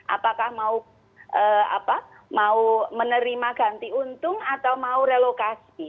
apakah mau menerima ganti untung atau mau relokasi